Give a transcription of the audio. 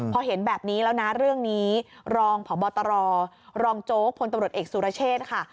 พอเห็นแบบนี้แล้วนะเรื่องนี้รองพบตรรองโจ๊กพลตำรวจเอกสุรเชษค่ะ